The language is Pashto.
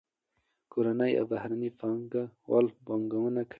کورني او بهرني پانګه وال پانګونه کوي.